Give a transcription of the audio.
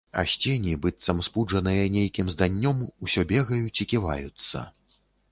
А сцені, быццам спуджаныя нейкім зданнём, усё бегаюць і ківаюцца.